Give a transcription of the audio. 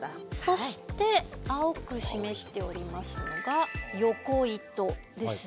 そして青く示しておりますのが横糸ですね。